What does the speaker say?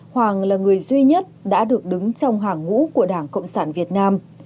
hoàng là người duy nhất đã được đứng trong hàng ngũ của đảng cộng sản việt nam